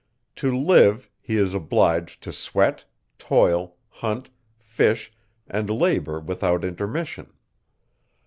To live, he is obliged to sweat, toil, hunt, fish, and labour without intermission.